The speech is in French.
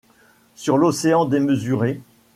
Sur l'océan démesuré ;